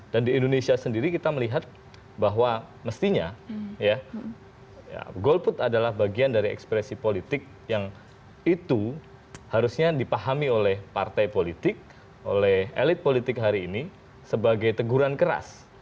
dan di indonesia sendiri kita melihat bahwa mestinya golput adalah bagian dari ekspresi politik yang itu harusnya dipahami oleh partai politik oleh elit politik hari ini sebagai teguran keras